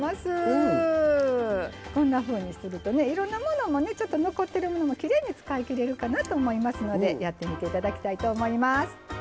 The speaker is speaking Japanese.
こんなふうにするといろんなものも残ってるものも使いきれるかなと思いますのでやってみていただきたいと思います。